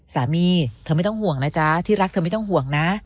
สามีเธอไม่ต้องห่วงนะจ๊ะที่รักเธอไม่ต้องห่วงนะ